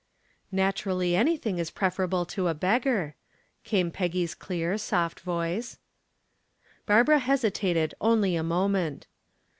"Naturally anything is preferable to a beggar," came in Peggy's clear, soft voice. Barbara hesitated only a moment.